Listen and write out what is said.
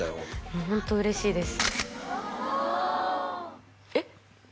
もうホント嬉しいですえっ？